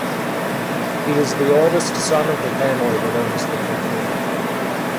He is the oldest son of the family that owns the company.